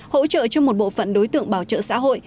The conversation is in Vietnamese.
hỗ trợ cho một bộ phận đối tượng bảo trợ xã hội